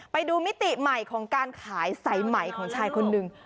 มิติใหม่ของการขายสายไหมของชายคนหนึ่ง